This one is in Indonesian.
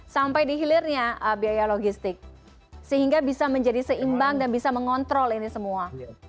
sampai dihilirnya biaya logistik sehingga bisa menjadi seimbang dan bisa mengontrol ini semua